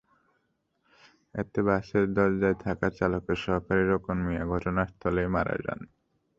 এতে বাসের দরজায় থাকা চালকের সহকারী রোকন মিয়া ঘটনাস্থলেই মারা যান।